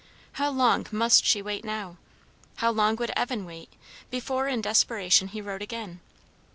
How long must she wait now? how long would Evan wait, before in desperation he wrote again?